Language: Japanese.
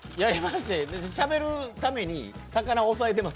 しゃべるために魚押さえてます。